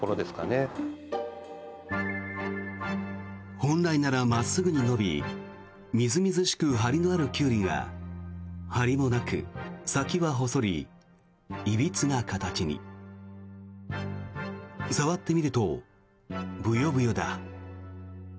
本来なら真っすぐに伸びみずみずしく張りのあるキュウリが張りもなく、先は細りいびつな形に。触ってみるとブヨブヨだ。